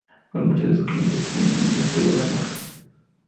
Con muchas de sus clientas tiene una historia de amor.